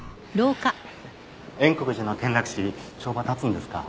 円国寺の転落死帳場立つんですか？